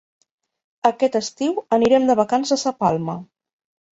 Aquest estiu anirem de vacances a Palma.